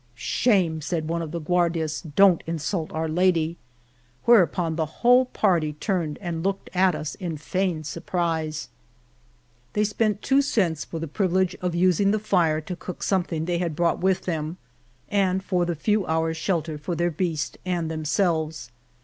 Shame !" said one of the Guardias. Don't insult our Lady !" Whereupon the whole party turned and looked at us in feigned surprise. They spent two cents for the privilege of 233 m^r^( Los Organos. Venta de Cardenas using the fire to cook something they had brought with them, and for the few hours shelter for their beast and themselves.